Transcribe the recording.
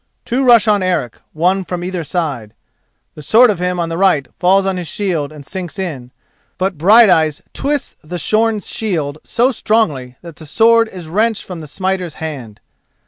Two rush on Eric, one from either side. The sword of him on the right falls on his shield and sinks in, but Brighteyes twists the shorn shield so strongly that the sword is wrenched from the smiter's hand.